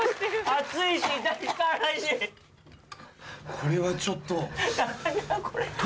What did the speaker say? これはちょっと。